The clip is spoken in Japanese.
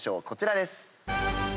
こちらです。